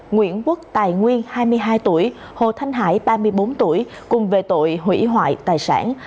nguyễn quốc tài nguyên hai mươi hai tuổi hồ thanh hải ba mươi bốn tuổi cùng về tội hủy hoại tài sản